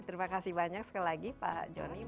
terima kasih banyak sekali lagi